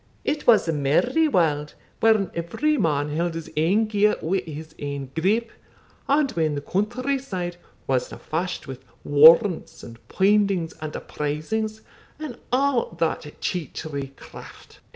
it was a merry warld when every man held his ain gear wi' his ain grip, and when the country side wasna fashed wi' warrants and poindings and apprizings, and a' that cheatry craft.